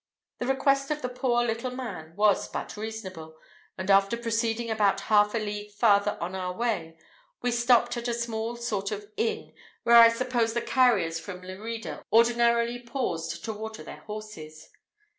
The request of the poor little man was but reasonable; and after proceeding about half a league farther on our way, we stopped at a small sort of inn, where I suppose the carriers from Lerida ordinarily paused to water their horses.